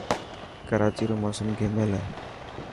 ڪراچي رو موسم گهميل هي.